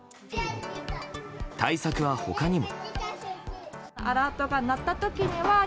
対策は他にも。